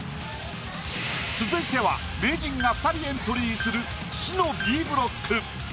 続いては名人が２人エントリーする死のＢブロック。